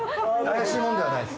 怪しいもんではないです。